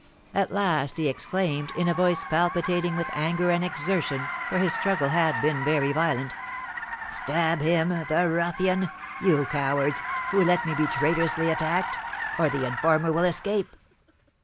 At last he exclaimed, in a voice palpitating with anger and exertion, for his struggle had been very violent: "Stab him, the ruffian! you cowards, who let me be traitorously attacked, or the informer will escape!"